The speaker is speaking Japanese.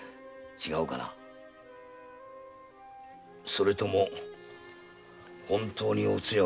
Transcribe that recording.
それとも本当におつやが。